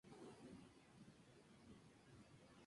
Nombró para la ciencia un número de aves y especies de mariposa.